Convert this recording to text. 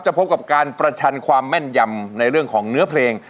พบกับการประชันความแม่นยำในเรื่องของเนื้อเพลง